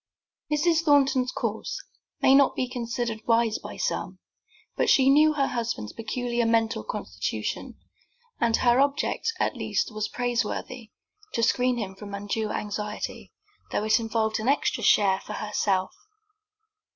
Mrs. Thornton's course may not be considered wise by some, but she knew her husband's peculiar mental constitution, and her object at least was praiseworthy, to screen him from undue anxiety, though it involved an extra share for herself.